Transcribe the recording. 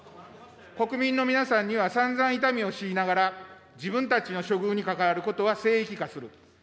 国民の皆さんには、さんざん痛みを強いながら、自分たちの処遇に関わることは聖域化する。